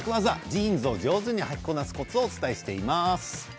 ジーンズを上手にはきこなすコツをお伝えしています。